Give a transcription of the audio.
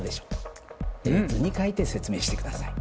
図に描いて説明してください。